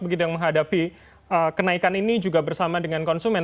begitu yang menghadapi kenaikan ini juga bersama dengan konsumen